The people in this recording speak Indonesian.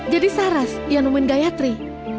jadi saras yang umun gayatri